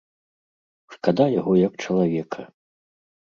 Шкада яго, як чалавека.